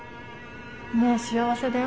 もう幸せだよ。